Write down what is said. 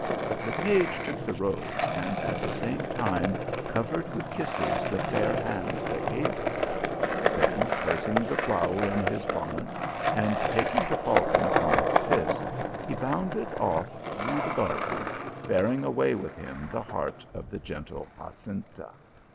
The page took the rose, and at the same time covered with kisses the fair hand that gave it, THE ROSE OF THE ALHAMBRA. 229 Then placing the flower in his bonnet, and taking the falcon upon his fist, he bounded off through the garden, bearing away with him the heart of the gen tle Jacinta.